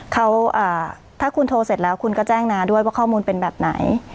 เขาถ้าคุณโทรเสร็จแล้วคุณก็แจ้งน้าด้วยว่าข้อมูลเป็นแบบไหน